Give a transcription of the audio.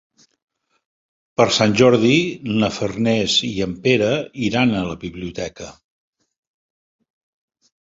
Per Sant Jordi na Farners i en Pere iran a la biblioteca.